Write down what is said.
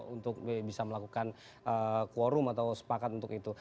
untuk bisa melakukan quorum atau sepakat untuk itu